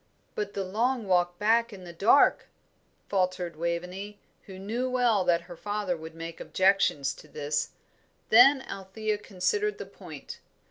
"But the long walk back in the dark," faltered Waveney, who knew well that her father would make objections to this. Then Althea considered the point.